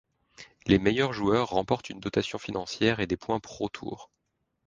Les meilleurs joueurs remportent une dotation financière et des points Pro tour.